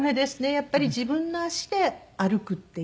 やっぱり自分の足で歩くっていう。